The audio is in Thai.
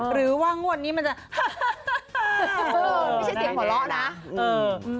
หรือว่างวดนี้มันจะเออไม่ใช่เสียงหัวเราะนะเออ